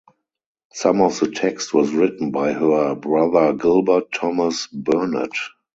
Some of the text was written by her brother Gilbert Thomas Burnett.